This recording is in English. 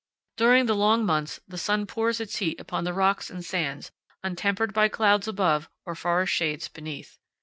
During the long months the sun pours its heat upon the rocks and sands, untempered by clouds above or forest shades beneath.